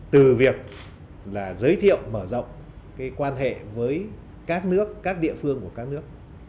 từ việc giới thiệu mở rộng cái quan hệ với các nước các địa phương của các nước